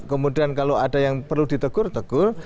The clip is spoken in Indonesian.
kemudian kalau ada yang perlu ditegur tegur